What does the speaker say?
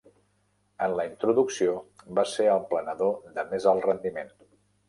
En la introducció va ser el planador de més alt rendiment.